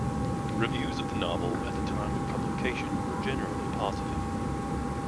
Reviews of the novel at the time of publication were generally positive.